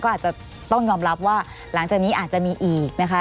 ก็อาจจะต้องยอมรับว่าหลังจากนี้อาจจะมีอีกนะคะ